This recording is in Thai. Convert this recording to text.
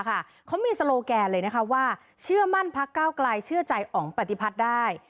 เขามีสโลแกเลยว่าเชื่อมั่นพักเก้าไกลเชื่อใจอองปฏิพัดได้